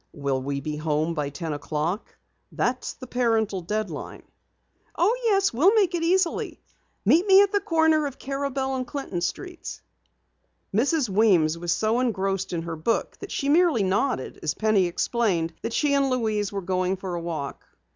"Will we be home by ten o'clock? That's the parental deadline." "Oh, yes, we'll make it easily. Meet me at the corner of Carabel and Clinton Streets." Mrs. Weems was so engrossed in her book that she merely nodded as Penny explained that she and Louise were going for a walk.